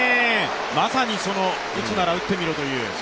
まさにその打つなら打ってみろという。